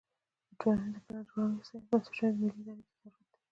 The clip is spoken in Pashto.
د ټولنیزې پلانجوړونې احصایوي بنسټونو او ملي ارادې ته ضرورت دی.